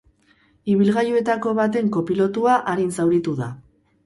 Ibilgailuetako baten kopilotua arin zauritu da.